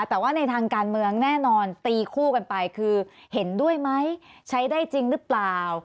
แต่ว่าในทางการเมืองแน่นอนตีคู่กันไปคือเห็นด้วยไหมใช้ได้จริงหรือเปล่า